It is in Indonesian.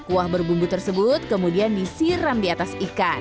kuah berbumbu tersebut kemudian disiram di atas ikan